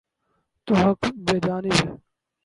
تو حق بجانب ہیں۔